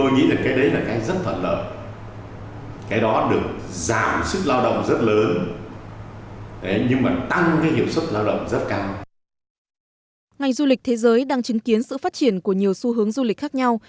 ngành du lịch thế giới đang chứng kiến sự phát triển của nhiều xu hướng du lịch khác nhau